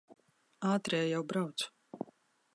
Ātrie jau brauc.